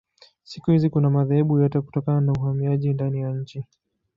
Siku hizi kuna madhehebu yote kutokana na uhamiaji ndani ya nchi.